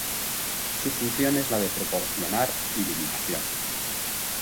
Su función es la de proporcionar iluminación.